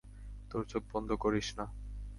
তোর চোখ বন্ধ করিস না।